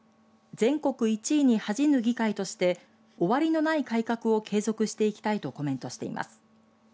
全国１位に恥じぬ議会として終わりのない改革を継続していきたいとコメントしています。